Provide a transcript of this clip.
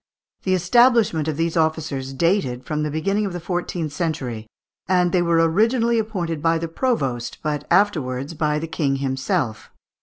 The establishment of these officers dated from the beginning of the fourteenth century, and they were originally appointed by the provost, but afterwards by the King himself.